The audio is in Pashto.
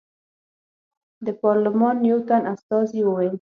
د پارلمان یو تن استازي وویل.